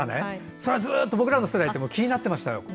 それはずっと僕らの世代でも気になっていましたよ。